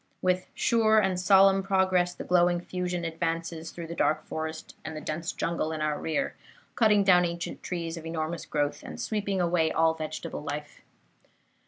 With sure and solemn progress the glowing fusion advances through the dark forest and the dense jungle in our rear, cutting down ancient trees of enormous growth and sweeping away all vegetable life.